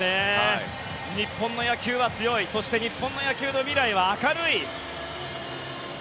日本の野球は強いそして日本の野球の未来は明るい。